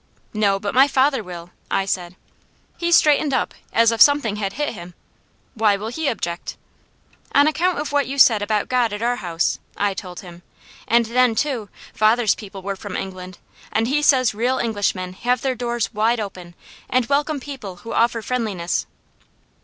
"No, but my father will," I said. He straightened up as if something had hit him. "Why will he object?" "On account of what you said about God at our house," I told him. "And then, too, father's people were from England, and he says real Englishmen have their doors wide open, and welcome people who offer friendliness."